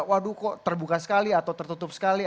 waduh kok terbuka sekali atau tertutup sekali